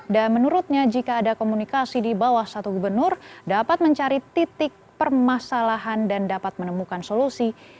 dan menurutnya jika ada komunikasi di bawah satu gubernur dapat mencari titik permasalahan dan dapat menemukan solusi